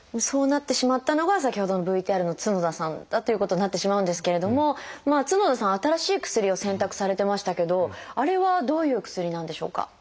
そうなってしまったのが先ほどのＶＴＲの角田さんだということになってしまうんですけれども角田さん新しい薬を選択されてましたけどあれはどういうお薬なんでしょうか？